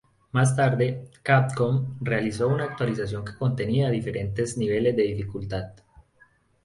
Más tarde, Capcom realizó una actualización que contenía diferentes niveles de dificultad.